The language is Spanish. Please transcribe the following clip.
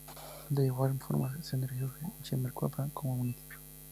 De igual forma se erigió Chimalhuacán como municipio.